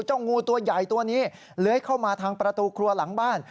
งูตัวใหญ่ตัวนี้เลื้อยเข้ามาทางประตูครัวหลังบ้าน